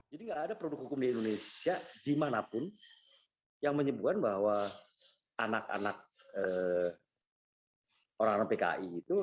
jadi tidak ada produk hukum di indonesia dimanapun yang menyebutkan bahwa anak anak orang orang pki itu